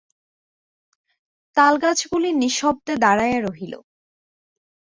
তালগাছগুলি নিঃশব্দে দাড়াইয়া রহিল।